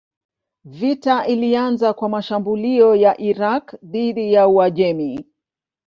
Vita ilianza kwa mashambulio ya Irak dhidi ya Uajemi.